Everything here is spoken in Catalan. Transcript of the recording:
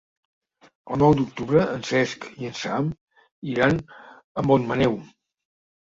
El nou d'octubre en Cesc i en Sam iran a Montmaneu.